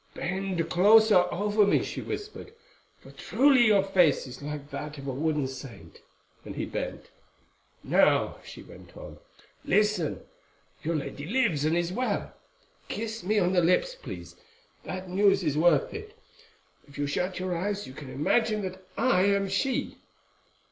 "Bend closer over me," she whispered, "for truly your face is like that of a wooden saint," and he bent. "Now," she went on, "listen. Your lady lives, and is well—kiss me on the lips, please, that news is worth it. If you shut your eyes you can imagine that I am she."